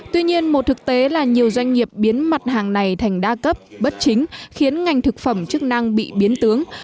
tuy nhiên một thực tế là nhiều doanh nghiệp biến mặt hàng này thành đa cấp bất chính khiến ngành thực phẩm chức năng bị biến tướng